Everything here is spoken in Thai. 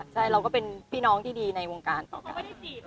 ใช่เราก็เป็นพี่น้องที่ดีในวงการต่อกัน